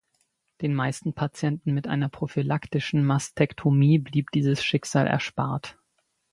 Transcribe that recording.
Den meisten Patienten mit einer prophylaktischen Mastektomie blieb dieses Schicksal erspart.